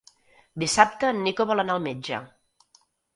Dissabte en Nico vol anar al metge.